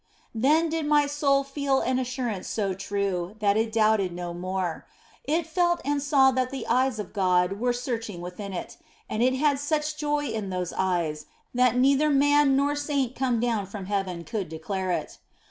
Then did my soul feel an assurance so true that it doubted no more. It felt and saw that the eyes of God were searching within it, and it had such joy in those eyes that neither man nor saint come down from heaven could declare it.